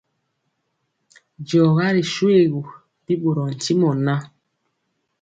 D@Diɔga ri shoégu, bi ɓorɔɔ ntimɔ ŋan.